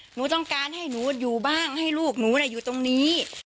หนูต้องการให้หนูอยู่บ้างให้ลูกหนูอยู่ตรงนี้